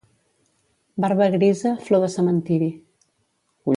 Barba grisa, flor de cementiri.